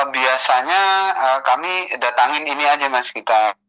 biasanya kami datangin ini aja mas gita